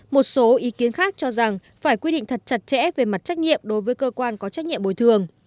một số ý kiến khác cho rằng phải quy định thật chặt chẽ về mặt trách nhiệm đối với cơ quan có trách nhiệm bồi thường